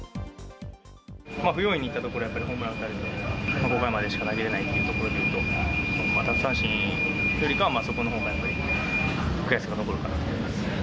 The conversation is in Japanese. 不用意にいったところはやっぱりホームラン打たれて、５回までしか投げれないっていうところでいうと、やっぱり奪三振よりは、そこのほうがやっぱり、悔しさが残るかな